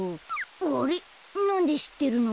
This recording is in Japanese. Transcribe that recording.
あれっなんでしってるの？